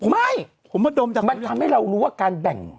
ไม่ผมทำให้เรารู้ว่าการแบ่ง